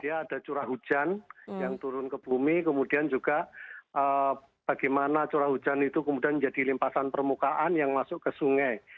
ada curah hujan yang turun ke bumi kemudian juga bagaimana curah hujan itu kemudian menjadi limpasan permukaan yang masuk ke sungai